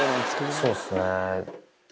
そうっすね。